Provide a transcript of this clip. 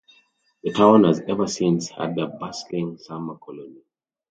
The town has ever since had a bustling summer colony.